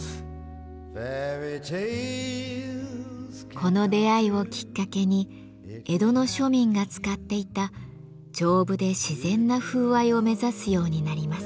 この出会いをきっかけに江戸の庶民が使っていた丈夫で自然な風合いを目指すようになります。